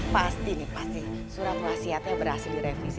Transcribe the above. pasti nih pasti surat wasiatnya berhasil direvisi